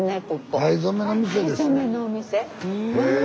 藍染めのお店？